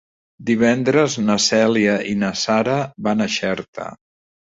Divendres na Cèlia i na Sara van a Xerta.